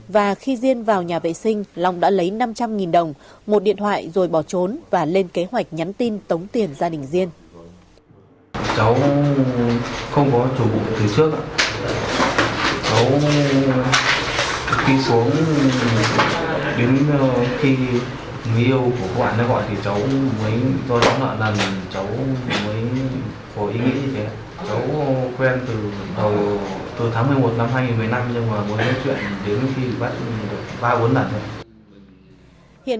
và khi diên vào nhà vệ sinh lòng đã lấy năm trăm linh đồng một điện thoại rồi bỏ trốn và lên kế hoạch nhắn tin tống tiền gia đình diên